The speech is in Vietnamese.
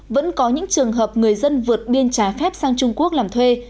vẫn có những trường hợp người dân vượt biên trái phép sang trung quốc làm thuê